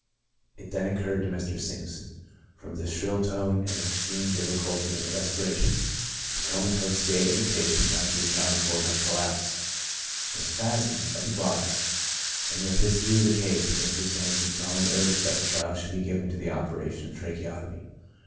It then occurred to Mr. Sampson, from the shrill tone and extreme difficulty of the respiration, that the comatose state of the patient might be accounted for by collapse (spasm) of the glottis ; and with this view of the case, Mr. Sampson strongly urged that a trial should be given to the operation of tracheotomy.